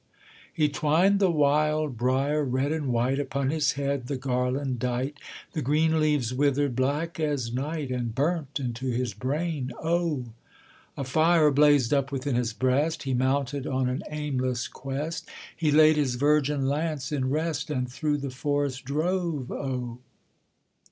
He twined the wild briar, red and white, Upon his head the garland dight, The green leaves withered black as night, And burnt into his brain O! A fire blazed up within his breast, He mounted on an aimless quest, He laid his virgin lance in rest, And through the forest drove O!